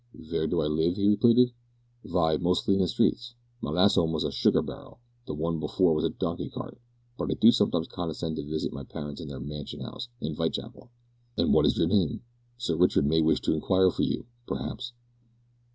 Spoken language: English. "Vere do I live?" he repeated. "Vy, mostly in the streets; my last 'ome was a sugar barrel, the one before was a donkey cart, but I do sometimes condescend to wisit my parents in their mansion 'ouse in Vitechapel." "And what is your name? Sir Richard may wish to inquire for you perhaps."